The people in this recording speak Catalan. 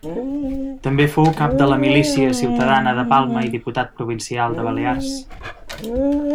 També fou cap de la Milícia Ciutadana de Palma i diputat provincial de Balears.